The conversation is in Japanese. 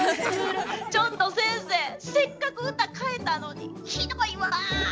ちょっと先生せっかく歌替えたのにひどいわ。